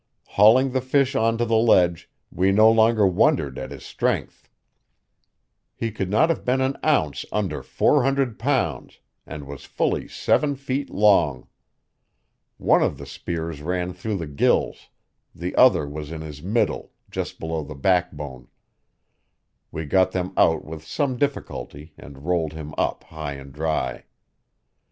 Hauling the fish onto the ledge, we no longer wondered at his strength. He could not have been an ounce under four hundred pounds, and was fully seven feet long. One of the spears ran through the gills; the other was in his middle, just below the backbone. We got them out with some difficulty and rolled him up high and dry.